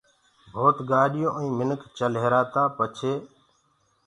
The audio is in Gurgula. ڀوت گآڏِيونٚ آئينٚ منک چل ريهرآ تآ پڇي